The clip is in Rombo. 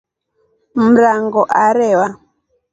Mrango arewa.